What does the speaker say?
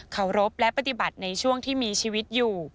เคารพและปฏิบัติในช่วงที่มีชีวิตอยู่